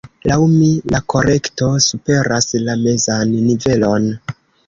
Laŭ mi, la kolekto superas la mezan nivelon.